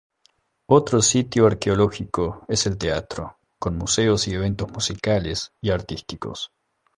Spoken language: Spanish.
Otro sitio arqueológico es el teatro, con museos y eventos musicales y artísticos.